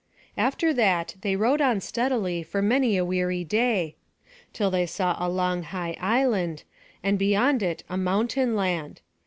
After that they rowed on steadily for many a weary day, till they saw a long high island, and beyond it a mountain land.